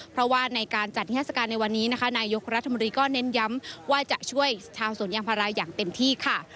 เพราะว่าในการจัดนิทัศกาลในวันนี้นะคะนายกรัฐมนตรีก็เน้นย้ำว่าจะช่วยชาวสวนยางพาราอย่างเต็มที่ค่ะ